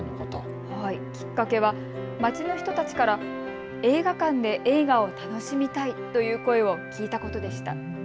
きっかけは街の人たちから映画館で映画を楽しみたいという声を聞いたことでした。